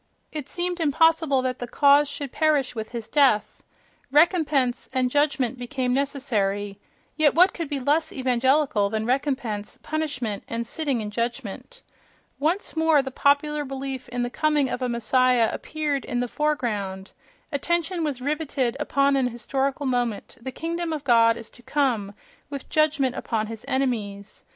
It seemed impossible that the cause should perish with his death: "recompense" and "judgment" became necessary (—yet what could be less evangelical than "recompense," "punishment," and "sitting in judgment"!). Once more the popular belief in the coming of a messiah appeared in the foreground; attention was rivetted upon an historical moment: the "kingdom of God" is to come, with judgment upon his enemies....